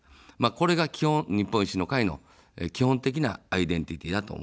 これが基本、日本維新の会の基本的なアイデンティティ−だと思います。